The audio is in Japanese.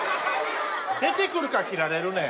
出てくるから斬られるねん。